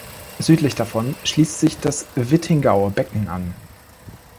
Südlich davon schließt sich das Wittingauer Becken an.